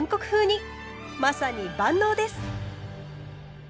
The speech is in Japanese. まさに万能です！